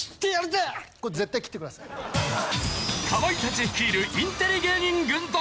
かまいたち率いるインテリ芸人軍団。